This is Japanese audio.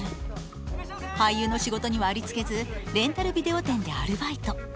俳優の仕事にはありつけずレンタルビデオ店でアルバイト。